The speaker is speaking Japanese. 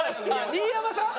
新山さん！？